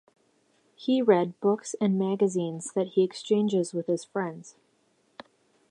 He read books and magazines that he exchanges with his friends.